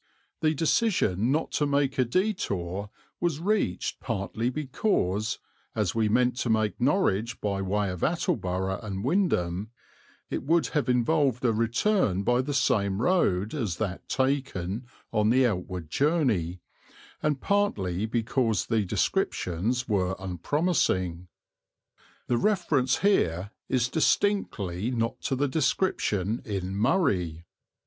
The decision not to make a detour was reached partly because, as we meant to make Norwich by way of Attleborough and Wymondham, it would have involved a return by the same road as that taken on the outward journey, and partly because the descriptions were unpromising. The reference here is distinctly not to the description in "Murray."